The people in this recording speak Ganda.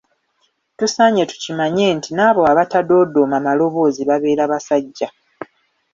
Tusaanye tukimanye nti n'abo abatadoodooma maloboozi babeera basajja.